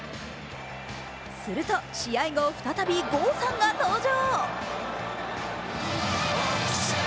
すると、試合後、再び郷さんが登場。